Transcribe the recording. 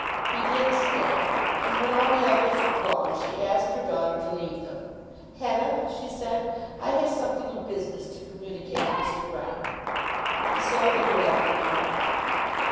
He did stay, and when all the others were gone she asked her daughter to leave them. "Hetta," she said, "I have something of business to communicate to Mr. Broune." And so they were left alone.